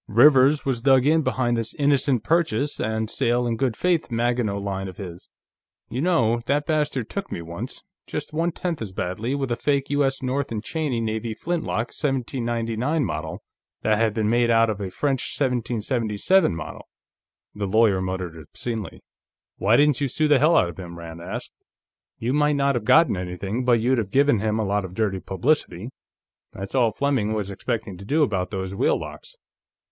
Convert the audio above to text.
Rivers was dug in behind this innocent purchase and sale in good faith Maginot Line of his. You know, that bastard took me, once, just one tenth as badly, with a fake U.S. North & Cheney Navy flintlock 1799 Model that had been made out of a French 1777 Model." The lawyer muttered obscenely. "Why didn't you sue hell out of him?" Rand asked. "You might not have gotten anything, but you'd have given him a lot of dirty publicity. That's all Fleming was expecting to do about those wheel locks."